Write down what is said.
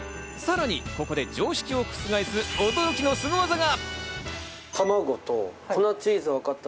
さらにここで常識を覆す驚きのスゴ技が！